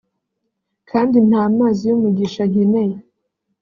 kandi nta mazi y’umugisha nkeneye